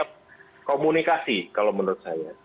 ada komunikasi kalau menurut saya